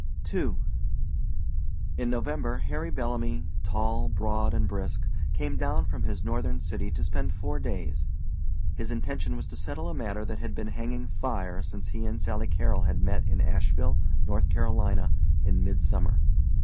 II In November Harry Bellamy, tall, broad, and brisk, came down from his Northern city to spend four days. His intention was to settle a matter that had been hanging fire since he and Sally Carrol had met in Asheville, North Carolina, in midsummer.